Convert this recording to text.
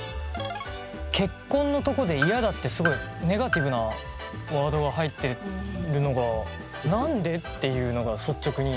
結婚のとこで「イヤ」だってすごいネガティブなワードが入ってるのが何で？っていうのが率直に。